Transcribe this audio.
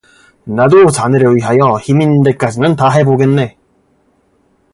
나도 자네를 위하여 힘있는 데까지는 다해 보겠네.